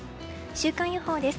週間予報です。